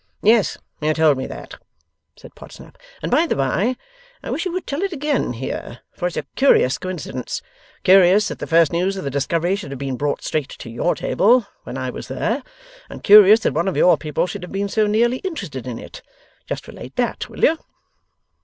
'Yes, you told me that,' said Podsnap; 'and by the bye, I wish you would tell it again here, for it's a curious coincidence curious that the first news of the discovery should have been brought straight to your table (when I was there), and curious that one of your people should have been so nearly interested in it. Just relate that, will you?